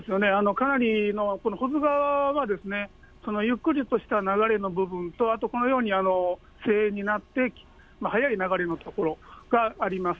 かなり、保津川はゆっくりとした流れの部分と、あとこのようにになって、速い流れの所があります。